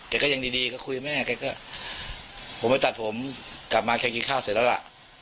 ก็ยังดีก็คุยแม่แกก็ผมไปตัดผมกลับมาแกกินข้าวเสร็จแล้วล่ะ